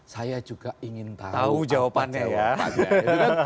saya juga ingin tahu jawabannya pak